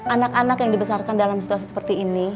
anak anak yang dibesarkan dalam situasi seperti ini